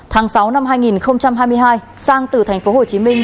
tháng sáu năm hai nghìn hai mươi hai sang từ thành phố hồ chí minh đến địa bàn hồ chí minh